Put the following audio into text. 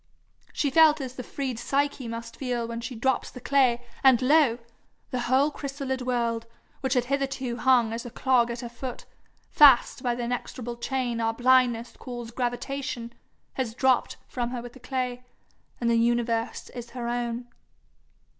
She felt as the freed Psyche must feel when she drops the clay, and lo! the whole chrysalid world, which had hitherto hung as a clog at her foot, fast by the inexorable chain our blindness calls gravitation, has dropped from her with the clay, and the universe is her own.